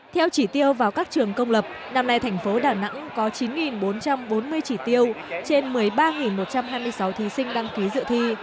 theo chỉ tiêu vào các trường công lập năm nay thành phố đà nẵng có chín bốn trăm bốn mươi chỉ tiêu trên một mươi ba một trăm hai mươi sáu thí sinh đăng ký dự thi